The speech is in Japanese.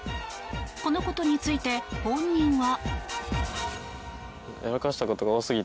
このことについて本人は。